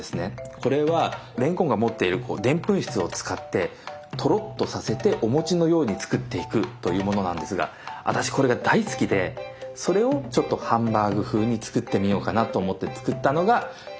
これはれんこんが持っているでんぷん質を使ってトロッとさせてお餅のように作っていくというものなんですが私これが大好きでそれをハンバーグ風に作ってみようかなと思って作ったのが今回のレシピです。